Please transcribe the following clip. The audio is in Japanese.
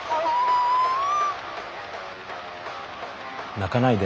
泣かないで。